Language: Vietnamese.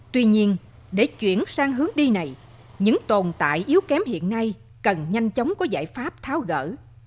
tuy nhiên để chuyển sang hướng đi này những tồn tại yếu kém hiện nay cần nhanh chóng có giải pháp tháo gỡ